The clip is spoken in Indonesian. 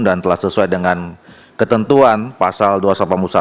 dan telah sesuai dengan ketentuan pasal dua ratus delapan puluh satu h satu